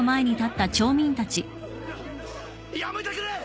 やめてくれ！